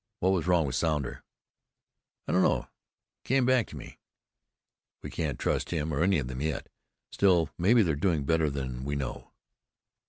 What was wrong with Sounder?" "I don't know. He came back to me." "We can't trust him, or any of them yet. Still, maybe they're doing better than we know."